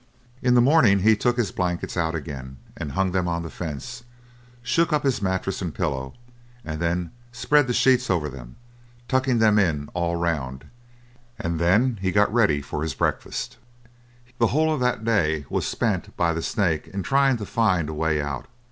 In the morning he took his blankets out again, and hung them on the fence, shook up his mattress and pillow, and then spread the sheets over them, tucking them in all round, and then he got ready his breakfast. The whole of that day was spent by the snake in trying to find a way out.